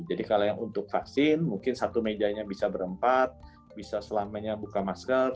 jadi kalau yang untuk vaksin mungkin satu mejanya bisa berempat bisa selamanya buka masker